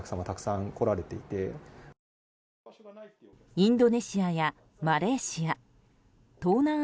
インドネシアやマレーシア。